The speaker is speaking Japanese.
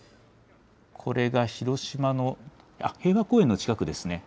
これが広島の、平和公園の近くですね。